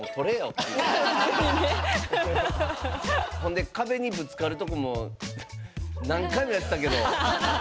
ほんで壁にぶつかるとこも何回もやったけど。